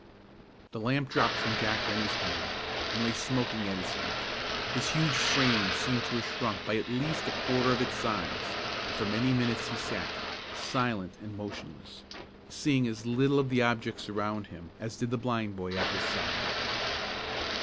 The lamp dropped from Jack Rennie's hand, and lay smoking at his feet. His huge frame seemed to have shrunk by at least a quarter of its size; and for many minutes he sat, silent and motionless, seeing as little of the objects around him as did the blind boy at his side.